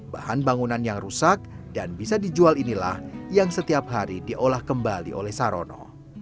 bahan bangunan yang rusak dan bisa dijual inilah yang setiap hari diolah kembali oleh sarono